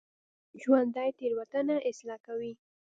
ژوندي تېروتنه اصلاح کوي